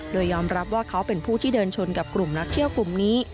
โดยยอมรับว่าเขาเป็นผู้ที่เดินชนกับกลุ่มนักเที่ยวกลุ่มนี้